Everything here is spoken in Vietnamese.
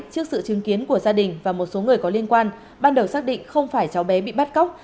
trước sự chứng kiến của gia đình và một số người có liên quan ban đầu xác định không phải cháu bé bị bắt cóc